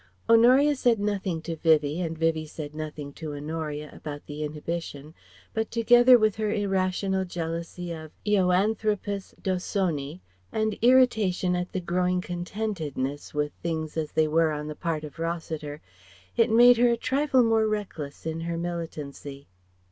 Honoria said nothing to Vivie and Vivie said nothing to Honoria about the inhibition, but together with her irrational jealousy of Eoanthropos dawsoni and irritation at the growing contentedness with things as they were on the part of Rossiter, it made her a trifle more reckless in her militancy.